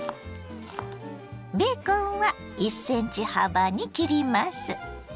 ベーコンは１ｃｍ幅に切ります。